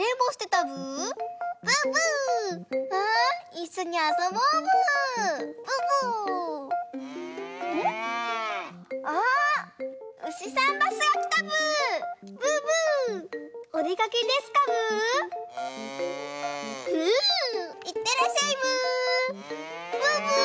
いってらっしゃいブー。